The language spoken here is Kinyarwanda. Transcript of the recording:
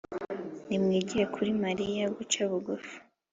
nimwigire kuri mariya guca bugufi